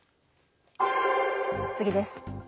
次です。